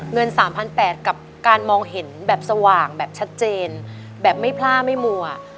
เงิน๓๘๐๐กับการมองเห็นแบบสว่างแบบชัดเจนแบบไม่พล่าไม่มัว